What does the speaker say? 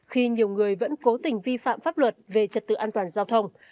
khi nhiều người vẫn cố tình vi phạm pháp luật về trật tự an toàn giao thông